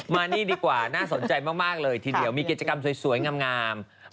มานี่ดีกว่าน่าสนใจมากเลยทีเดียวมีกิจกรรมสวยงาม